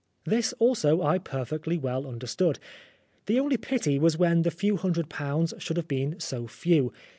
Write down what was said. This also I perfectly well understood. The only pity was that the few hundred pounds should have been so few.